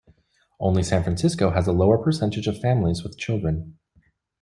Only San Francisco has a lower percentage of families with children.